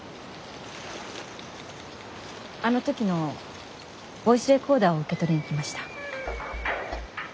あの時のボイスレコーダーを受け取りに来ました。